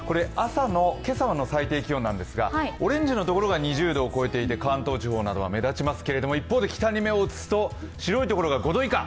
今朝の最低気温なんですがオレンジのところが２０度を超えていて関東地方などが目立ちますけれども、一方で北に目を移すと白いところが５度以下。